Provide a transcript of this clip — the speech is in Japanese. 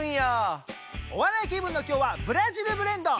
お笑い気分の今日はブラジル・ブレンド！